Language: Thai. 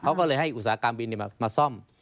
เขาก็เลยให้อุตสาหกรรมบินมาซ่อม